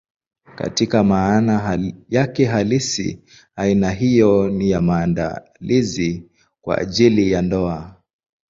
Katika maana yake halisi, aina hiyo ni ya maandalizi kwa ajili ya ndoa.